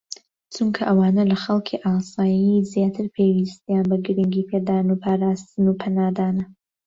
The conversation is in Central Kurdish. چونکە ئەوانە لە خەڵکی ئاسایی زیاتر پێویستیان بە گرنگیپێدان و پاراستن و پەنادانە